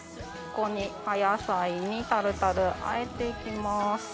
ここに葉野菜にタルタルあえて行きます。